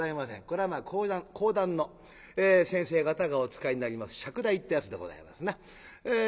これは講談の先生方がお使いになります釈台ってやつでございますな。